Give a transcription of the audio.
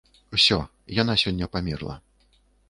Усё, яна сёння памерла.